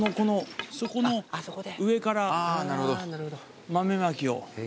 そこの上から豆まきを。